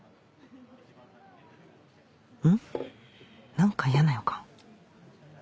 何か嫌な予感